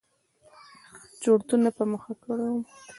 چورتونو په مخه کړى وم.